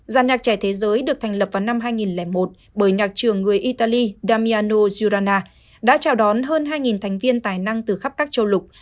giàn nhạc trẻ thế giới được thành lập vào năm hai nghìn một bởi nhạc trường người italy damiano girana đã chào đón hơn hai thành viên tài năng từ khắp các châu lục